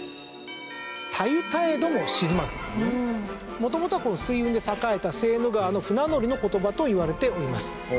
もともとは水運で栄えたセーヌ川の船乗りの言葉といわれております。